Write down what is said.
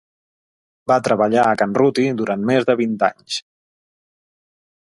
Va treballar a Can Ruti durant més de vint anys.